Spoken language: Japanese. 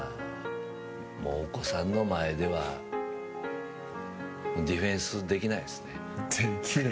もうお子さんの前ではディフェンスできないですね。